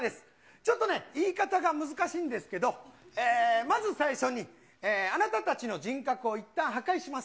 ちょっとね、言い方が難しいんですけど、まず最初に、あなたたちの人格をいったん破壊します。